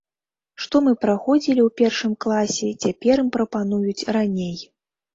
Што мы праходзілі ў першым класе, цяпер ім прапануюць раней.